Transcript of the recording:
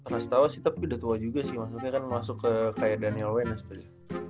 rastawa sih tapi udah tua juga sih maksudnya kan masuk ke kayak daniel wainers tuh